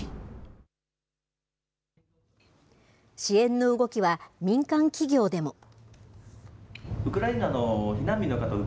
支援の動きは民間企業でも。